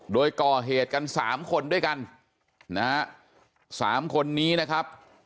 โดยก่อเหตุกันสามคนด้วยกันนะฮะสามคนนี้นะครับ